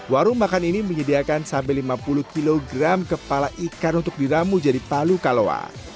warung makan ini menyediakan sampai lima puluh kg kepala ikan untuk diramu jadi palu kalowa